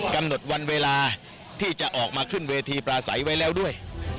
กำหนดวันเวลาที่จะออกมาขึ้นเวทีปลาใสไว้แล้วด้วย